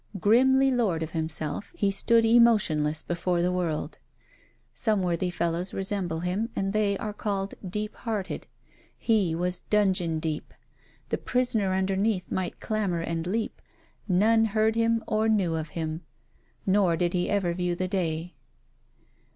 Grimly lord of himself, he stood emotionless before the world. Some worthy fellows resemble him, and they are called deep hearted. He was dungeon deep. The prisoner underneath might clamour and leap; none heard him or knew of him; nor did he ever view the day.